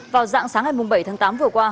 vào dạng sáng ngày bảy tháng tám vừa qua